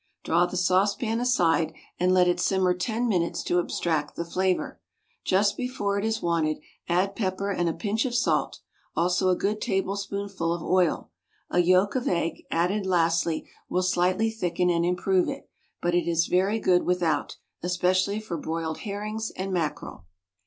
Draw the saucepan aside and let it simmer ten minutes to abstract the flavour. Just before it is wanted, add pepper and a pinch of salt, also a good tablespoonful of oil. A yolk of egg, added lastly, will slightly thicken and improve it, but it is very good without, especially for broiled herrings and mackerel.